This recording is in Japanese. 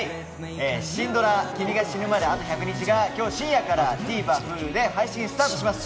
シンドラ『君が死ぬまであと１００日』が、きょう深夜からＴＶｅｒ、Ｈｕｌｕで配信スタートします。